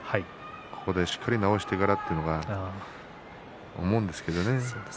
ここでしっかり治してからというのを私は思うんですけどね。